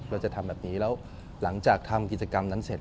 เราจะทำแบบนี้แล้วหลังจากทำกิจกรรมนั้นเสร็จ